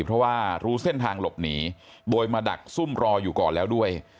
เพราะว่ารู้เส้นทางหลบหนีโดยมาดักซุ่มรออยู่ก่อนแล้วด้วย